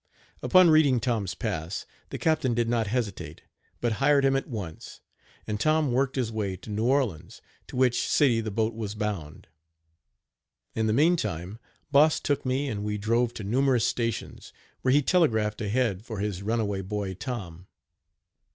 Upon reading Tom's pass, the captain did not hesitate, but hired him at once; and Tom worked his way to New Orleans, to which city the boat was bound. In the meantime Boss took me and we drove to numerous stations, where he telegraphed ahead for his run away boy Tom.